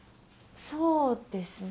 そうですね。